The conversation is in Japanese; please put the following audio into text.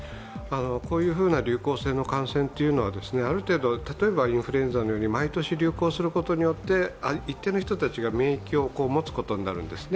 こういうような流行性の感染はインフルエンザのように毎年流行することによって一定の人たちが免疫を持つことになるんですね。